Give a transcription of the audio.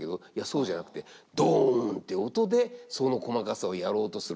そうじゃなくってドンって音でその細かさをやろうとする。